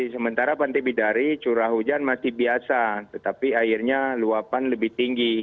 sementara pantai bidari curah hujan masih biasa tetapi airnya luapan lebih tinggi